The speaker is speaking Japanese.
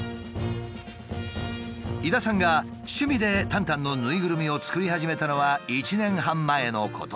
井田さんが趣味でタンタンのぬいぐるみを作り始めたのは１年半前のこと。